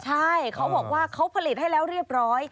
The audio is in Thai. ใช่เขาพลิทให้เรียบร้อย